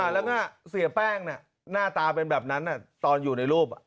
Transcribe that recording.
แล้วก็เสียแป้งหน้าตาเป็นแบบนั้นตอนอยู่ในรูป